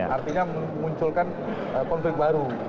artinya munculkan konflik baru